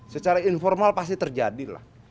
secara informal pasti terjadi lah